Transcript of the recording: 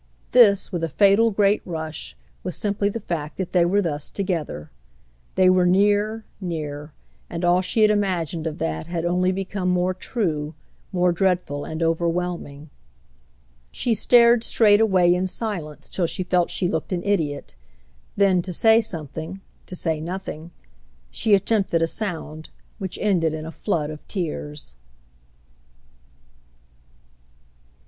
This, with a fatal great rush, was simply the fact that they were thus together. They were near, near, and all she had imagined of that had only become more true, more dreadful and overwhelming. She stared straight away in silence till she felt she looked an idiot; then, to say something, to say nothing, she attempted a sound which ended in a flood of tears.